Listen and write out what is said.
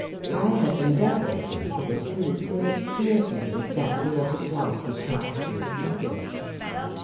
I have endeavoured, in Fig. 2, to make clear to you exactly what it was he tried to establish.